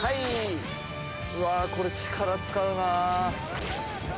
うわこれ力使うな。